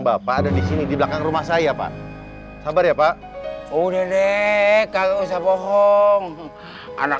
bapak ada di sini di belakang rumah saya pak sabar ya pak udah deh kalau saya bohong anak